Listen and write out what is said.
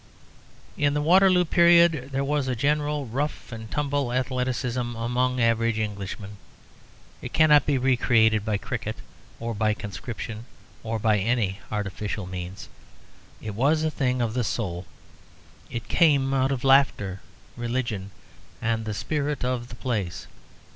In the Waterloo period there was a general rough and tumble athleticism among average Englishmen. It cannot be re created by cricket, or by conscription, or by any artificial means. It was a thing of the soul. It came out of laughter, religion, and the spirit of the place.